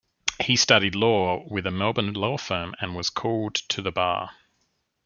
He studied law with a Melbourne law firm and was called to the bar.